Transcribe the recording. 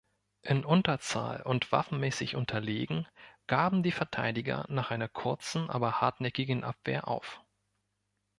In Unterzahl und waffenmäßig unterlegen, gaben die Verteidiger nach einer kurzen, aber hartnäckigen Abwehr auf.